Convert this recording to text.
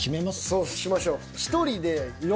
そうしましょう。